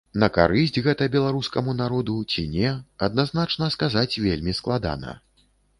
На карысць гэта беларускаму народу ці не, адназначна сказаць вельмі складана.